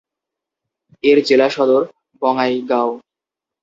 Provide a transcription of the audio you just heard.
এর জেলা সদর বঙাইগাঁও।